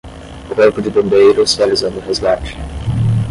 Corpo de bombeiros realizando um resgate.